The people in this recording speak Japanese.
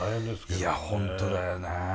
いや本当だよね。